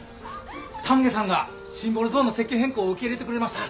丹下さんがシンボルゾーンの設計変更受け入れてくれました。